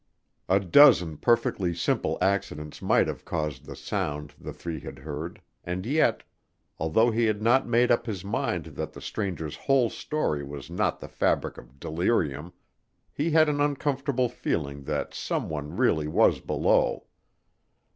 A dozen perfectly simple accidents might have caused the sound the three had heard; and yet, although he had not made up his mind that the stranger's whole story was not the fabric of delirium, he had an uncomfortable feeling that someone really was below.